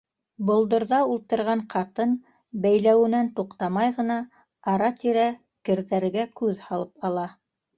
Болдорҙа ултырған ҡатын, бәйләүенән туҡтамай ғына, ара-тирә керҙәргә күҙ һалып ала.